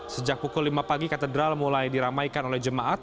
sejak pukul lima pagi katedral mulai diramaikan oleh jemaat